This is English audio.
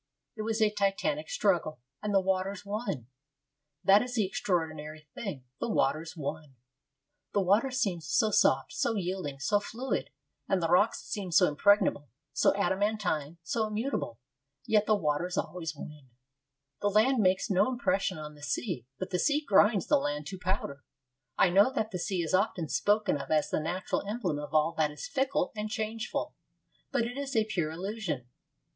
It was a titanic struggle, and the waters won. That is the extraordinary thing the waters won. The water seems so soft, so yielding, so fluid, and the rocks seem so impregnable, so adamantine, so immutable. Yet the waters always win. The land makes no impression on the sea; but the sea grinds the land to powder. I know that the sea is often spoken of as the natural emblem of all that is fickle and changeful; but it is a pure illusion.